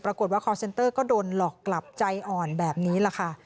ปรากฏว่าคอร์เซนเตอร์ก็โดนหลอกกลับใจอ่อนแบบนี้แหละค่ะ